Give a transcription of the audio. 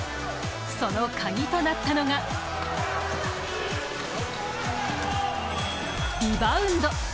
そのカギとなったのがリバウンド。